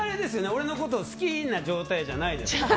俺のことを好きな状態じゃないから。